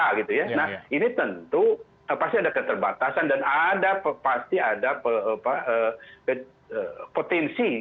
nah ini tentu pasti ada keterbatasan dan pasti ada potensi